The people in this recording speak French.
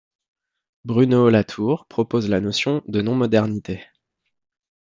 Bruno Latour propose la notion de non-modernité.